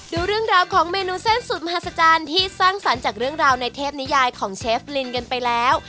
ดูเรื่องราวของเมนูเส้นสุดมหัศจรรย์ที่สร้างสรรค์จากเรื่องราวในเทพนิยายของเชฟลินกันไปแล้ว